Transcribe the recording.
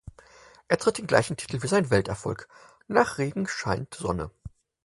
Es trägt den gleichen Titel wie sein Welterfolg: "Nach Regen scheint Sonne".